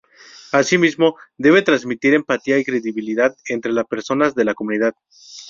Asimismo debe transmitir empatía y credibilidad entre las personas de la comunidad.